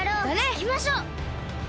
いきましょう！